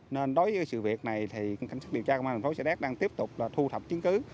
nên đối với sự việc này thì cảnh sát điều tra công an thành phố sa đéc đang tiếp tục là thu thập chứng cứ